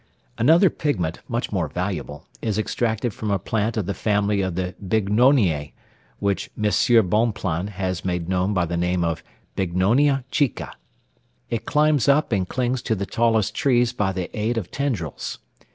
Another pigment, much more valuable, is extracted from a plant of the family of the bignoniae, which M. Bonpland has made known by the name of Bignonia chica. It climbs up and clings to the tallest trees by the aid of tendrils.